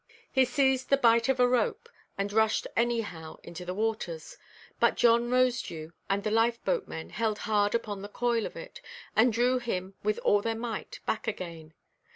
He seized the bight of a rope, and rushed anyhow into the waters. But John Rosedew and the life–boatmen held hard upon the coil of it, and drew him with all their might back again.